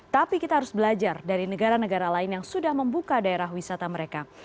tapi kita harus belajar dari negara negara lain yang sudah membuka daerah wisata mereka